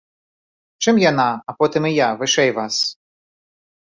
Чым яна, а потым і я, вышэй вас?